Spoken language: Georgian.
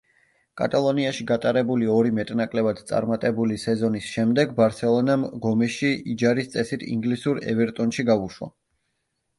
კატალონიაში გატარებული ორი მეტნაკლებად წარმატებული სეზონის შემდეგ, „ბარსელონამ“ გომეში იჯარის წესით ინგლისურ „ევერტონში“ გაუშვა.